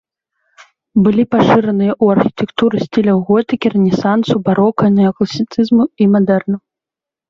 Былі пашыраныя ў архітэктуры стыляў готыкі, рэнесансу, барока, неакласіцызму і мадэрну.